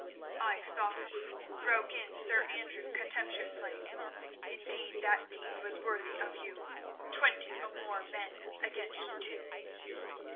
"I thought it," broke in Sir Andrew contemptuously. "Indeed, that deed was worthy of you—twenty or more men against two."